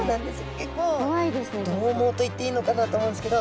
結構どうもうといっていいのかなと思うんですけど。